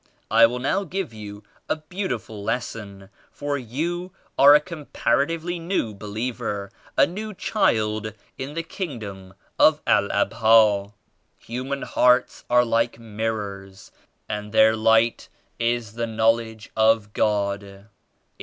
I will now igive you a beautiful lesson for you are a compar atively new believer; a new child in the King dom of EI Abha. Human hearts are like mirrors and their Light is the Knowledge of God.